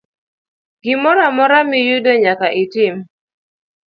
Gimoro amora miyudo nyaka item.